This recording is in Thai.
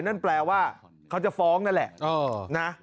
นั่นแปลว่าเขาจะฟ้องนั่นแหละนะ